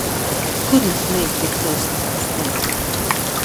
He couldn't make the first step.